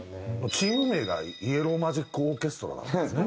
チーム名がイエロー・マジック・オーケストラなんだもんね。